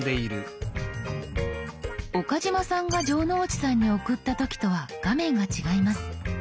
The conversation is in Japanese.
岡嶋さんが城之内さんに送った時とは画面が違います。